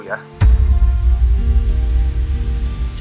perima kasih buat ia